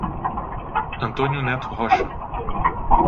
Antônio Neto Rocha